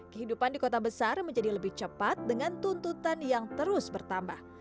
kehidupan di kota besar menjadi lebih cepat dengan tuntutan yang terus bertambah